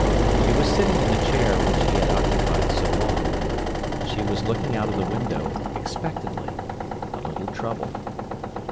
She was sitting in the chair which he had occupied so long; and she was looking out of the window expectantly—a little troubled.